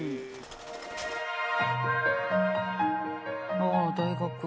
ああ大学。